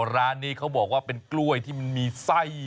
ร้านนี้เขาบอกว่าเป็นกล้วยที่มันมีไส้